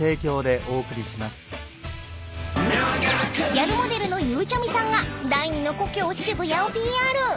［ギャルモデルのゆうちゃみさんが第２の故郷渋谷をＰＲ］